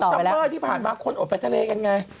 เพราะว่าช่วงสังเกิดที่ผ่านมาคนอดไปทะเลกันไง